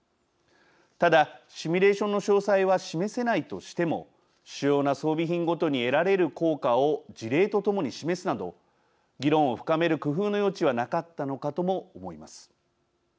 ただ、シミュレーションの詳細は示せないとしても主要な装備品ごとに得られる効果を事例とともに示すなど議論を深める工夫の余地はなかったのかとも思います。